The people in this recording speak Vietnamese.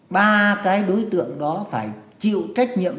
ba cái đối tượng đó phải chịu trách nhiệm